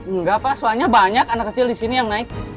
enggak pak soalnya banyak anak kecil disini yang naik